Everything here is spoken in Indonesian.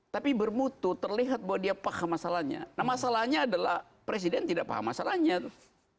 tapi bermutu terlihat bahwa dia paham masalahnya nah masalahnya adalah presiden tidak paham masalahnya tuh